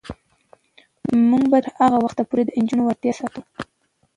موږ به تر هغه وخته پورې د نجونو وړتیا ستایو.